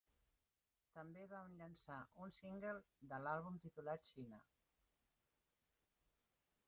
També van llançar un single de l'àlbum titulat "Xina".